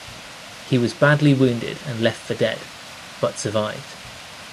He was badly wounded and left for dead, but survived.